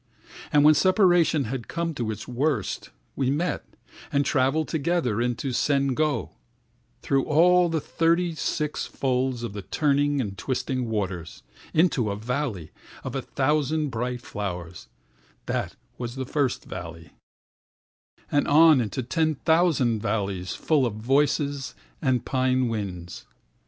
And when separation had come to its worstWe met, and travelled together into Sen GoThrough all the thirty six folds of the turning and twisting waters; Into a valley of a thousand bright flowers …that was the first valley, And on into ten thousand valleysfull of voices and pine winds.